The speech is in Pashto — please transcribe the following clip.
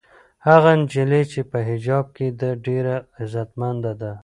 هغه نجلۍ چې په حجاب کې ده ډېره عزتمنده ده.